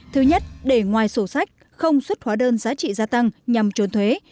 thứ nhất để ngoài sổ sách không xuất hóa đơn giá trị gia tăng nhằm trốn thuế